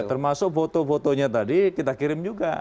termasuk foto fotonya tadi kita kirim juga